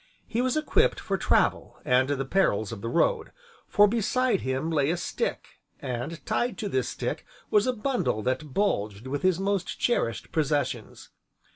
He was equipped for travel and the perils of the road, for beside him lay a stick, and tied to this stick was a bundle that bulged with his most cherished possessions.